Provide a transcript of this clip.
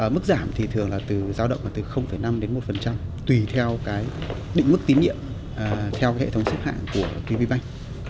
mức giảm thì thường là từ năm đến một tùy theo định mức tín nhiệm theo hệ thống xếp hạng của tv bank